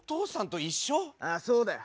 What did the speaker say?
ああそうだよ。